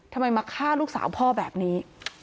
มาฆ่าลูกสาวพ่อแบบนี้